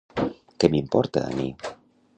Què m'importa a mi?